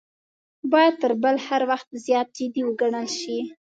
باید تر بل هر وخت زیات جدي وګڼل شي.